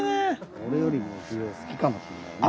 俺よりもすごい好きかもしれないね。